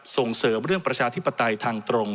ส่งเสริมเรื่องประชาธิปไตยทางตรง